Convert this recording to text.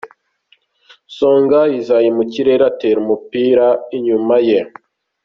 Songa Isaie mukirere atera umupira inyuma ye .